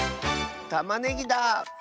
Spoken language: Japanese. たまねぎだ！